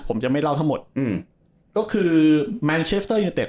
ผมจะไม่เล่าทั้งหมดอืมก็คือแมนเชสเตอร์ยูเต็